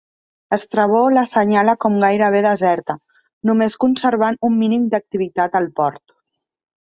Estrabó l'assenyala com gairebé deserta, només conservant un mínim d'activitat al port.